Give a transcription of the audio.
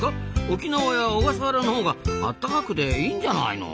沖縄や小笠原のほうがあったかくていいんじゃないの？